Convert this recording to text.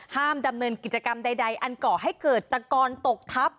ดำเนินกิจกรรมใดอันก่อให้เกิดตะกอนตกทัพ